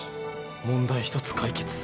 問題１つ解決。